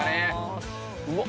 うわっ！